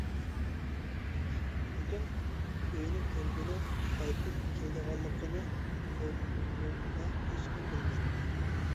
بۈگۈن ئۆينى كۆرگىلى قايتىپ كېلىدىغانلىقىنى لوندوندا ھېچكىم بىلمەيتتى.